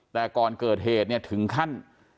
แต่ก่อนเกิดเหตุถึงขั้น